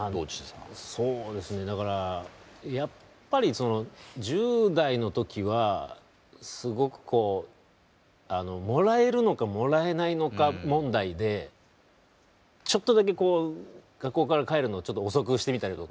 そうですねだからやっぱりその１０代の時はすごくこうもらえるのかもらえないのか問題でちょっとだけこう学校から帰るのをちょっと遅くしてみたりとか。